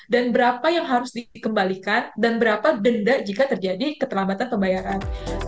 dan berapa yang harus dikembalikan dan berapa denda jika terjadi keterlambatan pembayaran